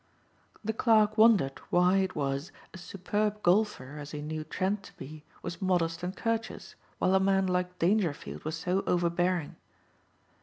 The clerk wondered why it was a superb golfer, as he knew Trent to be, was modest and courteous, while a man like Dangerfield was so overbearing.